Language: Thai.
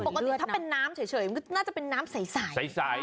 ปกติถ้าเป็นน้ำเฉยน่าจะเป็นน้ำใส